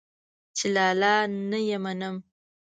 چې لالا نه يې منم.